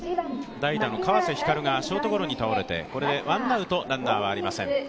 代打の川瀬晃がショートゴロに倒れてこれでワンアウト、ランナーはありません。